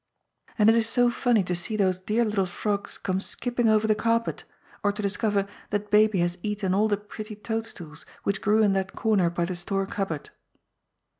And it is so funny to see those dear little frogs come skipping over the carpet, or to discover that Baby has eaten all the pretty toadstools which grew in that comer by the store cup board.